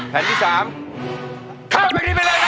ผ่านที่สามข้ามไปที่นี่ไปเลยครับ